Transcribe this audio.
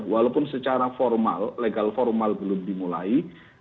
walaupun secara formal legal formal belum dimulai